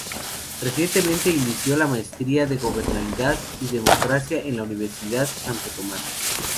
Recientemente inició la maestría de Gobernabilidad y Democracia en la Universidad Santo Tomás.